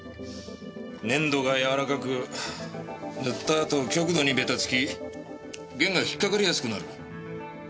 粘度がやわらかく塗ったあと極度にベタつき弦が引っ掛かりやすくなる。